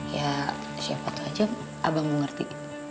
ya siapa tuh aja abah mau ngerti